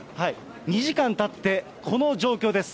２時間たって、この状況です。